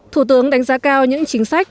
thủ tướng đánh giá cao những chính sách